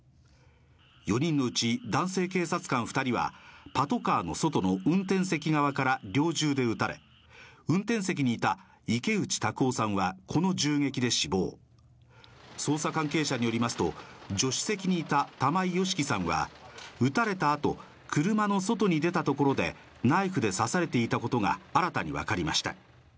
４人のうち、男性警察官２人はパトカーの外の運転席側から猟銃で撃たれ、運転席にいた池内卓夫さんはこの銃撃で死亡捜査関係者によりますと、助手席にいた玉井良樹さんは撃たれた後、車の外に出たところで、ナイフで刺されていたことが新たにわかりました。